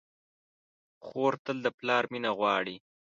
خور تل د پلار مینه غواړي.